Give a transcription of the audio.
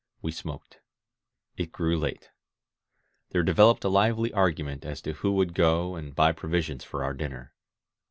We smoked. It grew late. There developed a lively argument as to who would go and buy provisions for our dinner.